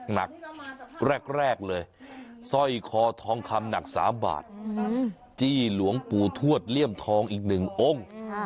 หนักแรกเลยสร้อยคอทองคำหนัก๓บาทจี้หลวงปู่ทวดเลี่ยมทองอีก๑องค์